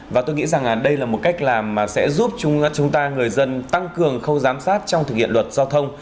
và tôi nghĩ rằng đây là một cách làm sẽ giúp chúng ta người dân tăng cường khâu giám sát trong thực hiện luật giao thông